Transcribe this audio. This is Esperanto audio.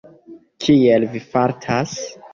Kiel Vi fartas?